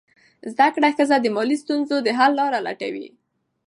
زده کړه ښځه د مالي ستونزو حل لاره لټوي.